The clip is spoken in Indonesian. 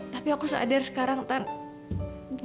tapi aku sadar sekarang tan